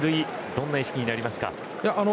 どんな意識になりますか。